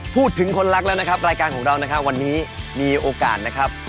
พูดถึงคนรักแล้วนะครับรายการของเรานะครับวันนี้มีโอกาสนะครับ